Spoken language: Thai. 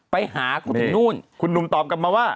ไปหาเขาถึงนู่นคุณหนุ่มตอบกลับมาว่า